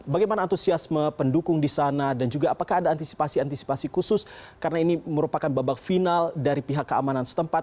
bagaimana antusiasme pendukung di sana dan juga apakah ada antisipasi antisipasi khusus karena ini merupakan babak final dari pihak keamanan setempat